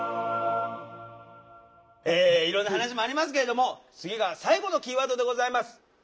いろんな話もありますけれども次が最後のキーワードでございます。